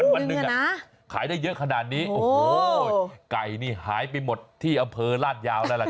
วันหนึ่งขายได้เยอะขนาดนี้โอ้โหไก่นี่หายไปหมดที่อำเภอลาดยาวแล้วล่ะครับ